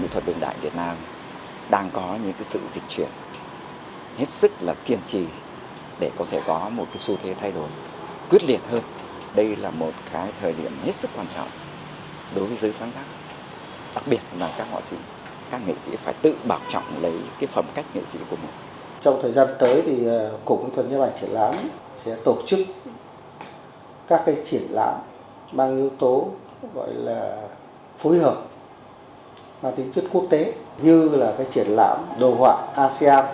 tổ chức các triển lãm mang yếu tố phối hợp vào tính chất quốc tế như triển lãm đồ họa asean